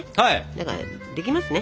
だからできますね？